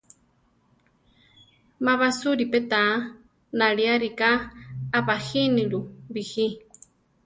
Ma basúri pe táa, náli arika a bajinílu biji.